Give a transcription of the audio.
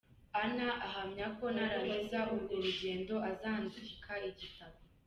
Anna ahamya ko narangiza urwo rugendo azandika igitabo.